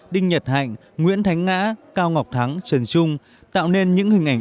đinh nhật hạnh nguyễn thánh ngã cao ngọc thắng trần trung tạo nên những hình ảnh